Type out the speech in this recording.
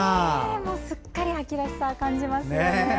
すっかり秋らしさを感じますよね。